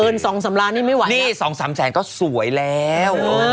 นี่๒๓แสนก็สวยแล้ว